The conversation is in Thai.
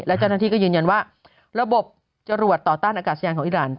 และเจ้าหน้าที่ก็ยืนยันว่าระบบจรวดต่อต้านอากาศยานของอิราณ